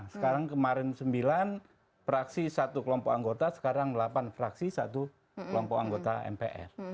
sekarang kemarin sembilan fraksi satu kelompok anggota sekarang delapan fraksi satu kelompok anggota mpr